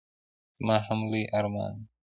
زما هم لوی ارمان دی.